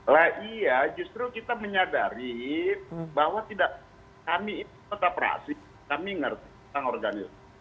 lah iya justru kita menyadari bahwa tidak kami itu nota praksi kami ngerti tentang organisasi